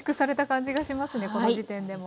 この時点でも。